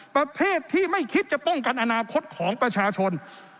ประเทศที่ไม่คิดจะป้องกันอนาคตของประชาชน